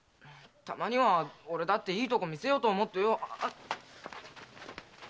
たまには俺だっていいとこ見せようと思ってよ。